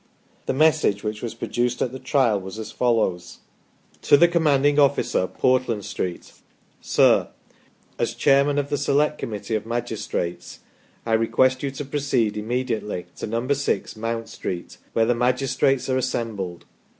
The message, which ,was produced at the Trial, was as follows : "To the Commanding Qfficer, Portland Street : Sir : As Chairman of the Select Committee of Magistrates, I request you to proceed immediately to Number 6, Mount Street, where the Magistrates are assembled.